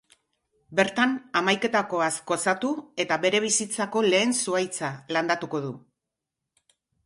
Bertan, hamaiketakoaz gozatu eta bere bizitzako lehen zuhaitza landatuko du.